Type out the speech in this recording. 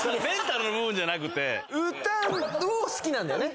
歌を好きなんだよね